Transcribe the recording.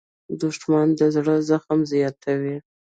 دښمن د زړه زخم زیاتوي